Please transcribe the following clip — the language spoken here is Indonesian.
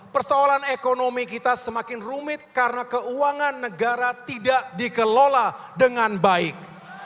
persoalan ekonomi kita semakin rumit karena keuangan negara tidak dikelola dengan baik